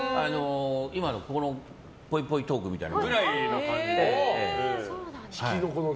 今のこのぽいぽいトークみたいな。